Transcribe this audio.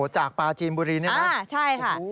จากปลาจีนบุรีนี่นะครับโอ้โฮโอ้โฮ